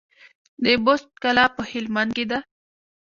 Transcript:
د بست کلا په هلمند کې ده